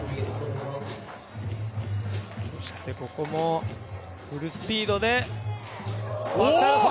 ここも、フルスピードで！